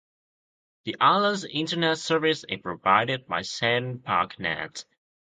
The island's Internet service is provided by CenPacNet.